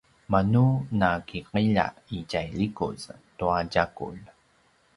manu nakiqilja i tjai likuz tua tjagulj